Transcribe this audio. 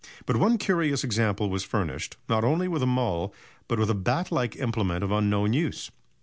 But one curious example was furnished, not only with a mull but with a bat like implement of unknown use.